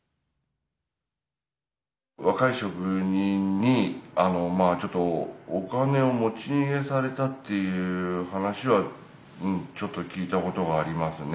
若い職人にお金を持ち逃げされたっていう話はちょっと聞いたことがありますね。